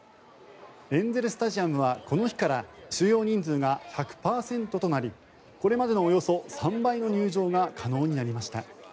エンゼル・スタジアムはこの日から収容人数が１００％となりこれまでのおよそ３倍の入場が可能になりました。